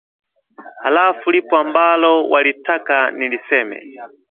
Halafu lipo ambalo walitaka niliseme